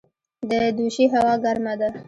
د دوشي هوا ګرمه ده